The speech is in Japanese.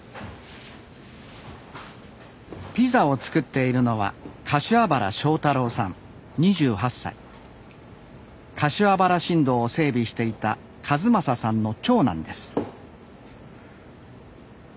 ピザを作っているのは柏原新道を整備していた一正さんの長男です